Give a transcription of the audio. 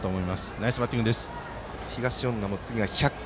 ナイスバッティング。